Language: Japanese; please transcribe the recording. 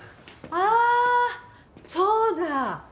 ああそうだ！